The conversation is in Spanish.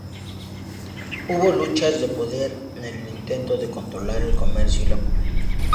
Hubo luchas de poder en el intento de controlar el comercio y la política.